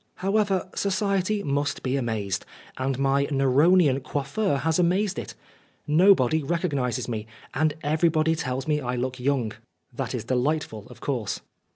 However, society must be amazed, and my Neronian coiffure has amazed it. Nobody recognises me, and everybody tells me I look young : that is delightful, of course.